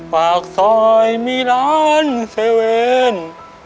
ปากซอยมีนอนเซเวน